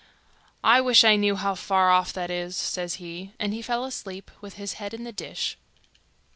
'I wish I knew how far off that is,' says he; and he fell asleep, with his head in the dish.